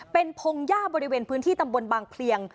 เป็นพงหญ้าบริเวณพื้นที่ตำบลบางเพลียง